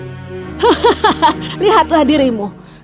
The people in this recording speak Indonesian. hahaha lihatlah dirimu